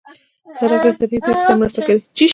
سړک له طبیعي پېښو سره مرسته کوي.